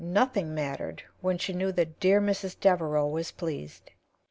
Nothing mattered when she knew that dear Mrs. Devereaux was pleased.